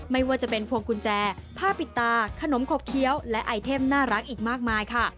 ไม่ว่าจะเป็นพวงกุญแจผ้าปิดตาขนมขบเคี้ยวและไอเทมน่ารักอีกมากมายค่ะ